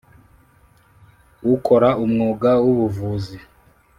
Ukora umwuga w ubuvuzi